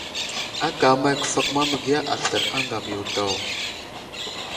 Aka əmay kəfakuma məgiya aslər aŋgam yo daw ?